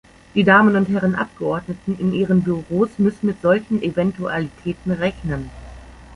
Die Damen und Herren Abgeordneten in ihren Büros müssen mit solchen Eventualitäten rechnen.